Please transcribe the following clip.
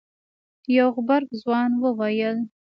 يو غبرګ ځوان وويل.